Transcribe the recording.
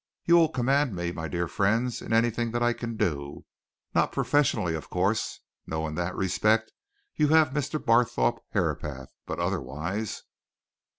You will command me, my dear friends, in anything that I can do. Not professionally, of course. No in that respect you have Mr. Barthorpe Herapath. But otherwise."